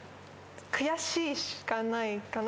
悔しいしかないかな。